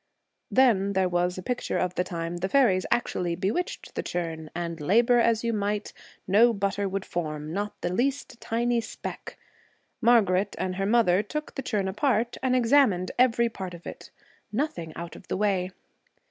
Then there was a picture of the time the fairies actually bewitched the churn, and, labor as you might, no butter would form, not the least tiny speck. Margaret and her mother took the churn apart and examined every part of it. Nothing out of the way.